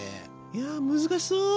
いや難しそう。